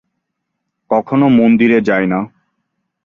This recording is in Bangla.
কখনো মন্দিরে যাই না।